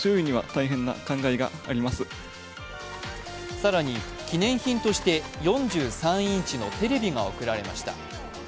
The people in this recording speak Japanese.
更に記念品として４３インチのテレビが贈られました。